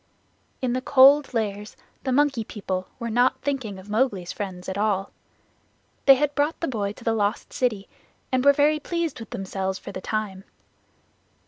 In the Cold Lairs the Monkey People were not thinking of Mowgli's friends at all. They had brought the boy to the Lost City, and were very much pleased with themselves for the time.